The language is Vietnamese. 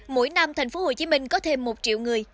mỗi năm tp hcm có thêm một triệu người